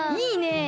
いいね！